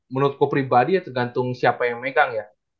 menurut gue pribadi ya tergantung siapa yang megang ya